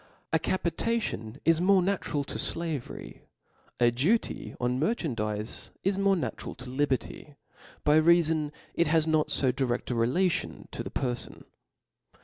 A Capitarion ia more natural to flavery; a du »•^^ ty ob merchandizeQ is more natural to li t berty, by reafon it has not fo dire A a relaiioa to the perfon.